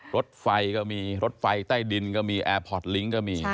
รถไฟก็มีรถไฟใต้ดินก็มีแอร์พอร์ตลิงก์ก็มี